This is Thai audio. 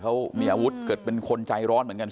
เขามีอาวุธเกิดเป็นคนใจร้อนเหมือนกัน